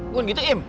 buat gitu im